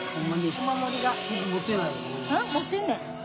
持ってんねん。